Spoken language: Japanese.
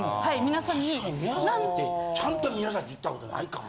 確かに宮崎ってちゃんと宮崎いったことないかも。